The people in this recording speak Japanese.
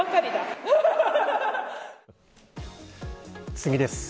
次です。